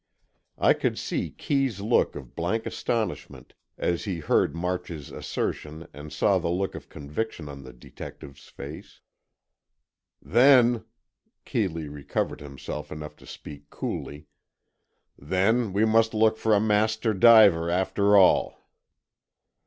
I could see Kee's look of blank astonishment, as he heard March's assertion and saw the look of conviction on the detective's face. "Then," Keeley recovered himself enough to speak coolly, "then, we must look for a master diver, after all."